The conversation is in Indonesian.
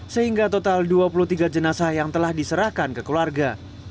sehingga total dua puluh tiga jenazah yang telah diserahkan ke keluarga